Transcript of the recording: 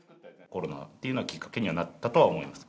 コロナっていうのがきっかけにはなったと思います。